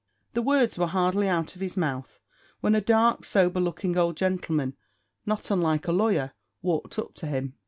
The words were hardly out of his mouth when a dark, sober looking old gentleman, not unlike a lawyer, walked up to him.